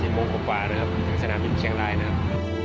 โมงกว่านะครับที่สนามบินเชียงรายนะครับ